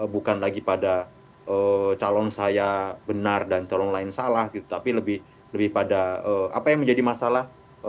bukan lagi pada calon saya benar dan calon lain salah tapi lebih pada apa yang menjadi masalah